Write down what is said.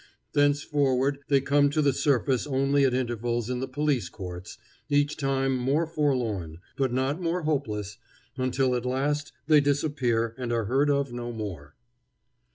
Thenceforward they come to the surface only at intervals in the police courts, each time more forlorn, but not more hopeless, until at last they disappear and are heard of no more.